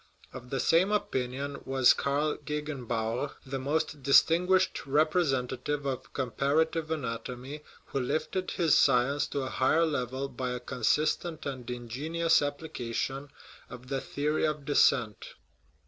Of the same opinion was Karl Gegenbaur, the most distinguished representative of comparative anatomy, who lifted his science to a higher level by a consistent and ingenious application of the theory of descent.